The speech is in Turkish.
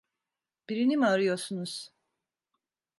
Birini mi arıyorsunuz?